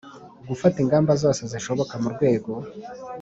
Gufata ingamba zose zishoboka mu rwego